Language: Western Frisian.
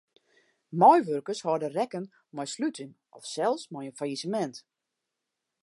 Meiwurkers hâlde rekken mei sluting of sels mei in fallisemint.